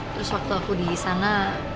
terus waktu aku disana